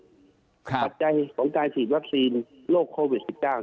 ปัจจัยของการฉีดวัคซีนโรคโควิด๑๙